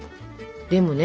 でもね